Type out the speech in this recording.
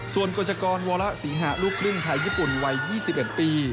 ส่วนกฎวรศรีหะลูกครึ่งไทยญี่ปุ่นวัย๒๑ปี